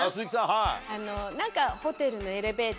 はい。